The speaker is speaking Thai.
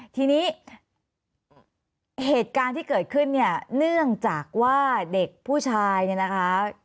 ทีนี้เหตุการณ์ที่เกิดขึ้นเนี่ยเนื่องจากว่าเด็กผู้ชายเนี่ยนะคะ